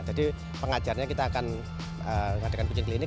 jadi pengajarnya kita akan mengadakan kucing klinik